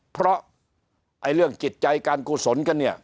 เพราะไอ้เรื่องจิตใจการกุศลกันเนี่ย